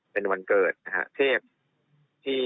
เป็นวันเกิดนะฮะเทพที่